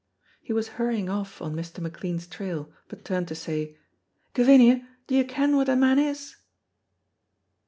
He was hurrying off on Mr. McLean's trail, but turned to say, "Gavinia, do you ken wha that man is?"